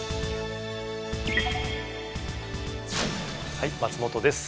はい松本です。